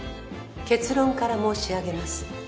結論から申し上げます。